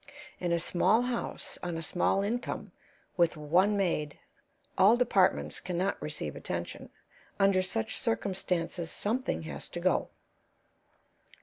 In a small house, on a small income, with one maid, all departments can not receive attention; under such circumstances something has to go.